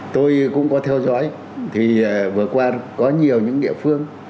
tôi cũng có theo dõi thì vừa qua có nhiều những địa phương